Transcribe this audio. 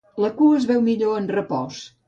La cua es veu millor en repòs.